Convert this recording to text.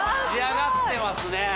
仕上がってますね。